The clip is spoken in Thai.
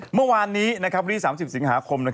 เมื่อวานนี้วันที่๓๐สิงหาคม